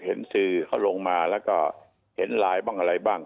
เห็นสื่อเขาลงมาแล้วก็เห็นไลน์บ้างอะไรบ้าง